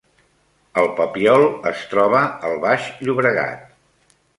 El Papiol es troba al Baix Llobregat